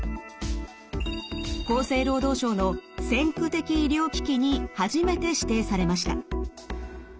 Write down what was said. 厚生労働省の先駆的医療機器に初めて指定されました。